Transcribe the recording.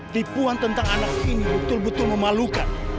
tipuan tentang anak ini betul betul memalukan